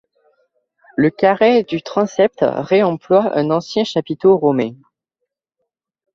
Le carré du transept réemploie un ancien chapiteau romain.